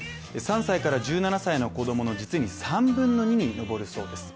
３歳から１７歳の子供の実に３分の２に上るそうです。